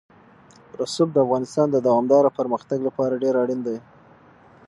رسوب د افغانستان د دوامداره پرمختګ لپاره ډېر اړین دي.